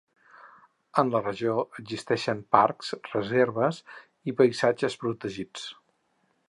En la regió existeixen parcs, reserves i paisatges protegits.